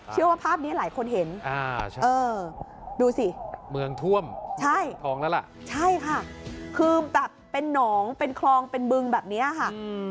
ชื่อว่าภาพนี้หลายคนเห็นดูสิใช่คือแบบเป็นหนองเป็นคลองเป็นบึงแบบเนี่ยค่ะ